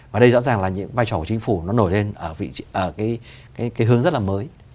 và đây rõ ràng là những vai trò của chính phủ nó nổi lên ở cái hướng rất là mới